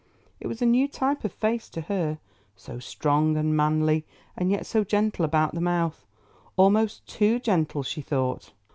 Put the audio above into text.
It was a new type of face to her, so strong and manly, and yet so gentle about the mouth—almost too gentle she thought.